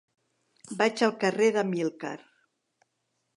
Vaig al carrer d'Amílcar.